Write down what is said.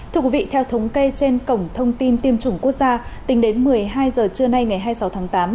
thưa quý vị theo thống kê trên cổng thông tin tiêm chủng quốc gia tính đến một mươi hai h trưa nay ngày hai mươi sáu tháng tám